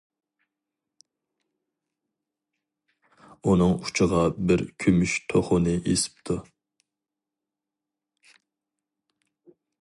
ئۇنىڭ ئۇچىغا بىر كۈمۈش توخۇنى ئېسىپتۇ.